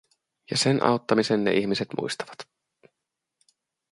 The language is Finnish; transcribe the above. Ja sen auttamisen ne ihmiset muistavat.